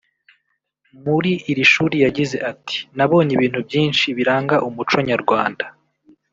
muri iri shuri yagize ati ” Nabonye ibintu byinshi biranga umuco nyarwanda